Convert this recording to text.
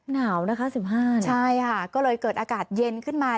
หนาวนะคะ๑๕ใช่ค่ะก็เลยเกิดอากาศเย็นขึ้นมา